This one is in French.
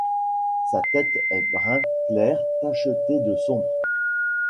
Sa tête est brun clair tacheté de sombre.